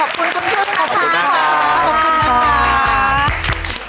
ขอบคุณค่ะค่ะขอบคุณนะคะขอบคุณนะคะ